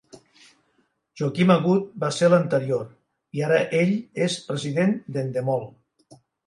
Joaquim Agut va ser l'anterior, i ara ell és president d'Endemol.